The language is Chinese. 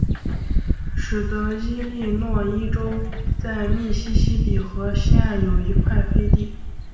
使得伊利诺伊州在密西西比河西岸有一块飞地。